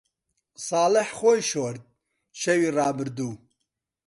ساڵح خۆی شۆرد، شەوی ڕابردوو.